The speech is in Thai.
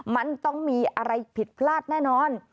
มันต้องมีอะไรผิดพลาดแน่นอน